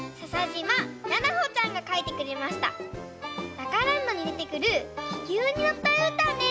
「ダカランド」にでてくるききゅうにのったうーたんです。